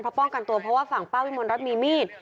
เพราะป้องกันตัวเพราะว่าฝั่งป้าวิมลรัฐมีมีด